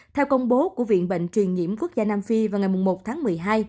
theo công bố của viện bệnh truyền nhiễm quốc gia nam phi vào ngày một tháng một mươi hai